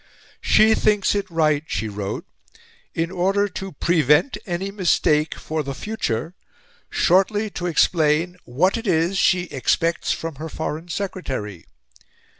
"She thinks it right," she wrote, "in order TO PREVENT ANY MISTAKE for the FUTURE, shortly to explain WHAT IT IS SHE EXPECTS FROM HER FOREIGN SECRETARY.